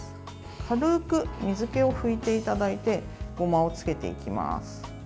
軽く水気を拭いていただいてごまをつけていきます。